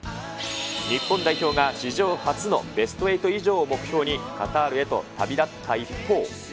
日本代表が、史上初のベストエイト以上を目標にカタールへと旅立った一方。